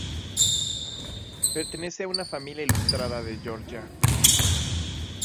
Pertenece a una familia ilustrada de Georgia.